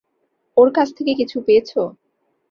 ওর কাছ থেকে কিছু পেয়েছ?